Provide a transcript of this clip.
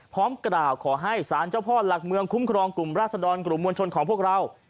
พร้อมกล่าวขอให้สารเจ้าพ่อหลักเมืองคุ้มครองกลุ่มราศดรกลุ่มมวลชนของพวกเรา